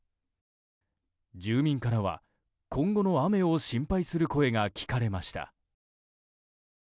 住民からは今後の雨を心配する声が聞かれました。